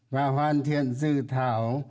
và hoàn thiện dự thảo